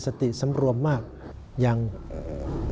ทรงรับดอกบัวจากทุมีหยังให้เกียรติแก่ผู้เถ้า